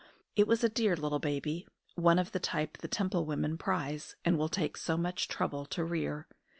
It was a dear little baby, one of the type the Temple women prize, and will take so much trouble to rear.